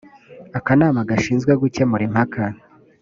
akanama gashinzwe gukemura impaka